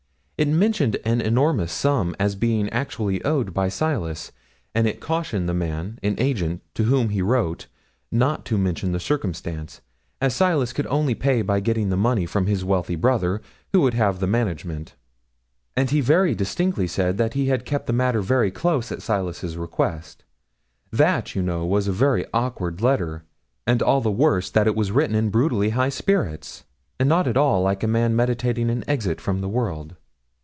It mentioned an enormous sum as being actually owed by Silas; and it cautioned the man, an agent, to whom he wrote, not to mention the circumstance, as Silas could only pay by getting the money from his wealthy brother, who would have the management; and he distinctly said that he had kept the matter very close at Silas's request. That, you know, was a very awkward letter, and all the worse that it was written in brutally high spirits, and not at all like a man meditating an exit from the world.